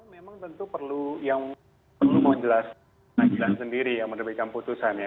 memang tentu perlu yang perlu menjelaskan keadilan sendiri yang menerbitkan keputusan ya